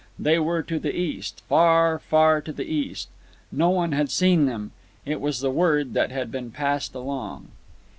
They were to the east—far, far to the east. No one had seen them. It was the word that had been passed along.